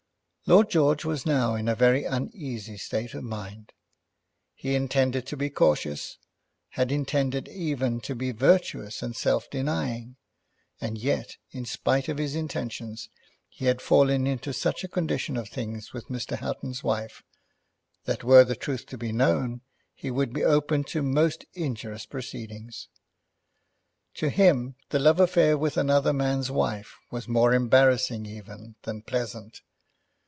Lord George was now in a very uneasy state of mind. He intended to be cautious, had intended even to be virtuous and self denying; and yet, in spite of his intentions, he had fallen into such a condition of things with Mr. Houghton's wife, that were the truth to be known, he would be open to most injurious proceedings. To him the love affair with another man's wife was more embarrassing even than pleasant.